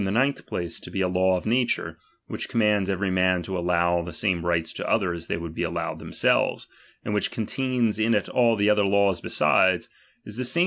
'tile ninth place to be a law of nature, which com ^^~^^||^"' xmaiids every man to allow the same rights to others ""i . »f «i°itj' t liey would be allowed themselves, and which con taiins in it all the other laws besides, is the same ~^?